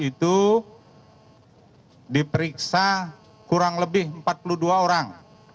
itu diperiksa kurang lebih empat puluh dua orang